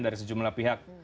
dari sejumlah pihak